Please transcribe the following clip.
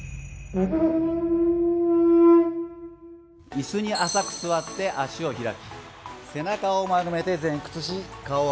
イスに浅く座って足を開き背中を丸めて前屈し顔を上げて背中を反らせます。